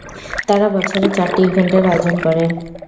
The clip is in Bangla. তারা বছরে চারটি ইভেন্ট এর আয়োজন করে।